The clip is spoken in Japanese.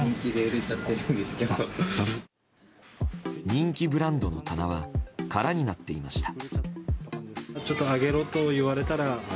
人気ブランドの棚は空になっていました。